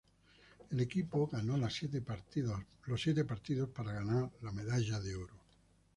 El equipo ganó los siete partidos para ganar la medalla de oro.